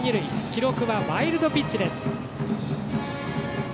記録はワイルドピッチです。